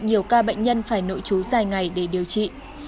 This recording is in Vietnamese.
nhiều ca bệnh nhân phải nội trú dài ngày để điều trị